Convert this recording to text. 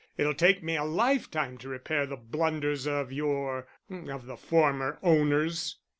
It'll take me a lifetime to repair the blunders of your of the former owners."